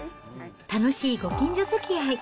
楽しいご近所づきあい。